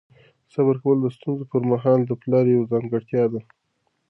صبر کول د ستونزو پر مهال د پلار یوه ځانګړتیا ده.